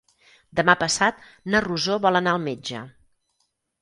Demà passat na Rosó vol anar al metge.